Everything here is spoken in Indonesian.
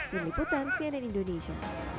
diliputan sianen indonesia